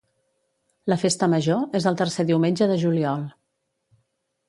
La festa major és el tercer diumenge de juliol.